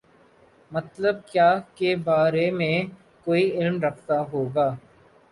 مطلب کیا کے بارے میں کوئی علم رکھتا ہو گا